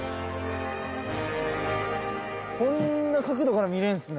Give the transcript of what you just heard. こんな角度から見れるんすね。